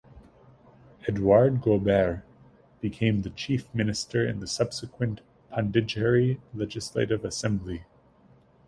Edouard Goubert became the chief minister in the subsequent Pondicherry Legislative Assembly.